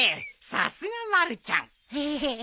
さすがまるちゃん！ヘヘヘヘ。